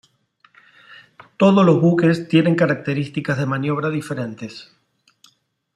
Todos los buques tienen características de maniobra diferentes.